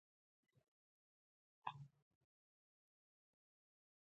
په جګړه کې نیول شوي کسان وو.